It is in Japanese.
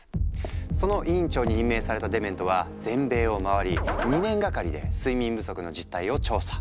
その委員長に任命されたデメントは全米を回り２年がかりで睡眠不足の実態を調査。